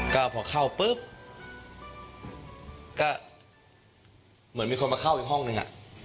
ก็พอเข้าปุ๊บก็เหมือนมีคนมาเข้าอีกห้องนึง